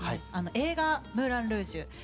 映画「ムーラン・ルージュ」。